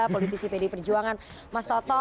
politisi pd perjuangan mas toto